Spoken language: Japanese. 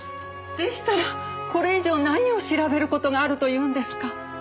でしたらこれ以上何を調べる事があるというんですか？